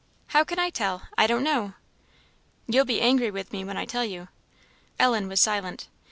"How can I tell? I don't know." "You'll be angry with me when I tell you." Ellen was silent.